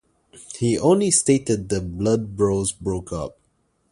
He only stated the blood bros broke up.